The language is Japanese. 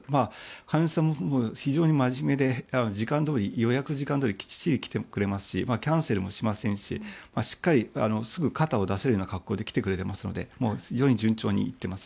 患者さんも非常に真面目で予約時間どおりきちっと来てくれますしキャンセルもしませんししっかり、すぐ肩を出せるような格好で来てくれますので非常に順調にいっています。